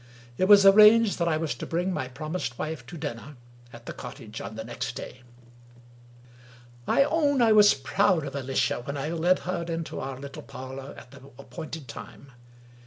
It was arranged that I was to bring my promised wife to dinner at the cottage on the next day; 244 WUkie Collins I OWN I was proud of Alicia when I led her into our little parlor at the appointed time.